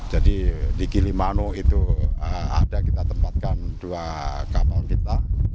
jadi di kilimano itu ada kita tempatkan dua kapal kita